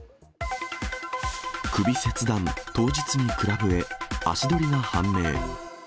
首切断、当日にクラブへ、足取りが判明。